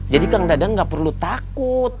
jadi kang dadang gak perlu takut